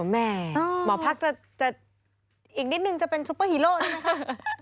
แหม่หมอภาคจะอีกนิดหนึ่งจะเป็นซุปเปอร์ฮีโร่ใช่ไหมคะ